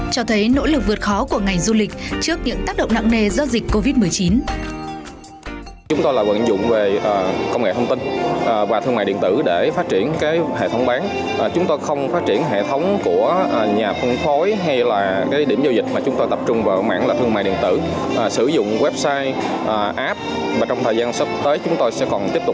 cho thấy nỗ lực vượt khó của ngành du lịch trước những tác động nặng nề do dịch covid một mươi chín